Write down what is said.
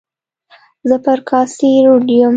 زه پر کاسي روډ یم.